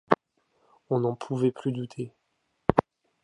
On n’en pouvait plus douter !